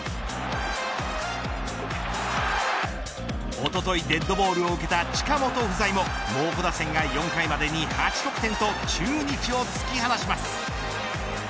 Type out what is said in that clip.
おとといデッドボールを受けた近本不在も猛虎打線が４回までに８得点と中日を突き放します。